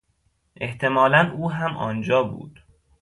احتمالا او هم آنجا بود.